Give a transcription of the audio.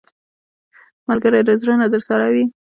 ملګری له زړه نه درسره وي